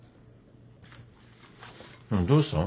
でもどうしたの？